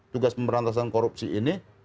tugas pemberantasan korupsi ini